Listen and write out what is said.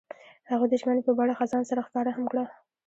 هغوی د ژمنې په بڼه خزان سره ښکاره هم کړه.